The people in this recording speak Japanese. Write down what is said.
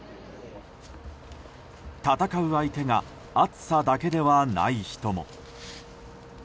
戦う相手が暑さだけではない人も。